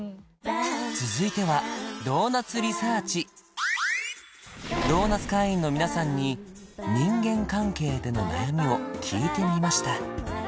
続いてはドーナツ会員の皆さんに人間関係での悩みを聞いてみました